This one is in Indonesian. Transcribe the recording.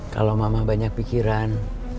kalau mama banyak pikiran